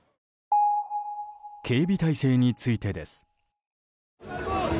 警備態勢についてです。